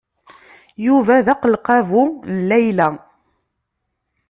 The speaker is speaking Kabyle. Yuba d aqelqabu n Layla.